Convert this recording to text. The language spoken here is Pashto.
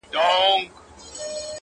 د چا د ويښ زړگي ميسج ننوت _